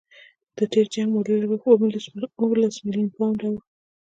د تېر جنګ مالي لګښت اوولس میلیونه پونډه وو.